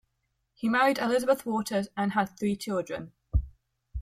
He married Elizabeth Waters and had three children.